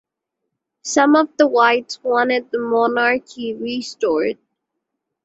Some of the whites wanted the monarchy restored.